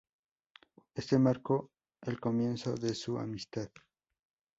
Esto marcó el comienzo de su amistad.